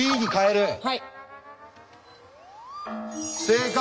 正解！